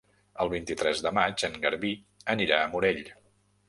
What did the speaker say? El vint-i-tres de maig en Garbí anirà al Morell.